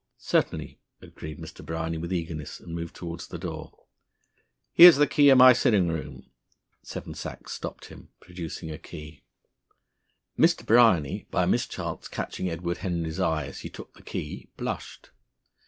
"Certainly," agreed Mr. Bryany with eagerness, and moved towards the door. "Here's the key of my sitting room," Seven Sachs stopped him, producing a key. Mr. Bryany, by a mischance catching Edward Henry's eye as he took the key, blushed.